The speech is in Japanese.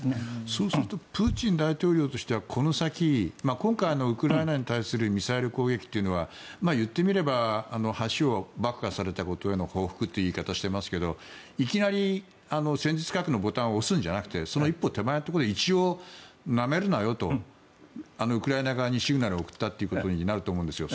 そうするとプーチン大統領としてはこの先今回のウクライナに対するミサイル攻撃というのはいってみれば橋を爆破されたことへの報復という言い方をしていますがいきなり戦術核のボタンを押すんじゃなくてその一歩手前で、なめるなよとウクライナ側にシグナルを送ったと思うんですよ。